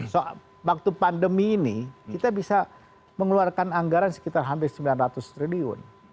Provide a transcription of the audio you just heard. soal waktu pandemi ini kita bisa mengeluarkan anggaran sekitar hampir sembilan ratus triliun